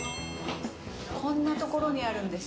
こんな所にあるんです。